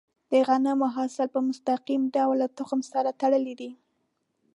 د غنمو حاصل په مستقیم ډول له تخم سره تړلی دی.